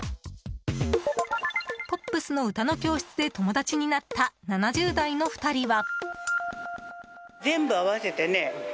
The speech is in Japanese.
ポップスの歌の教室で友達になった７０代の２人は。